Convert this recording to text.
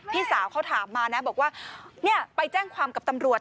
พี่สาวเขาถามมานะบอกว่าเนี่ยไปแจ้งความกับตำรวจ